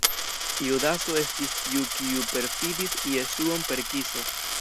Judaso estis tiu kiu perfidis Jesuon per kiso.